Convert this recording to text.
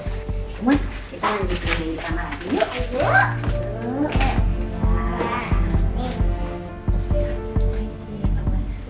kita lanjutkan lagi ke kamar